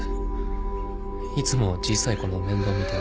いつも小さい子の面倒見たり。